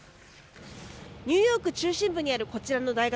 ニューヨーク中心部にあるこちらの大学。